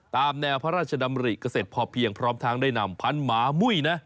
ตามแนวพระราชดำริเกษตรพอเพียงพร้อมทางได้นำพันหมามุ้ยนะ